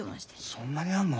そんなにあんの？